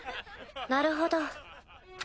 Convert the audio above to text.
なるほど。